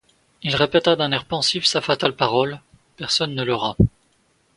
Il répéta d’un air pensif sa fatale parole: Personne ne l’aura!